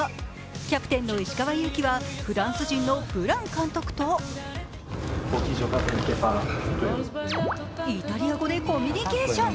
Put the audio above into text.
キャプテンの石川祐希はフランス人のブラン監督とイタリア語でコミュニケーション。